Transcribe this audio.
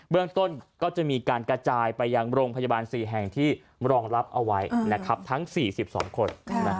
เรื่องต้นก็จะมีการกระจายไปยังโรงพยาบาล๔แห่งที่รองรับเอาไว้ทั้ง๔๒คน